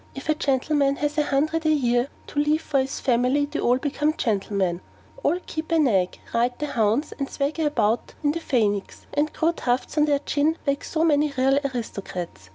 If a gentleman has a hundred a year to leave to his family they all become gentlemen, all keep a nag, ride to hounds, and swagger about in the 'Phaynix,' and grow tufts to their chins like so many real aristocrats.